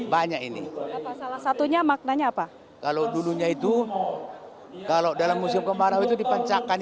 banyak ini apa salah satunya maknanya apa kalau dulunya itu kalau dalam musim kemarau itu dipancakan